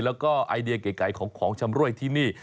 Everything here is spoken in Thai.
แล้วก็ไอเดียเก๋ของของชำรวยที่นี่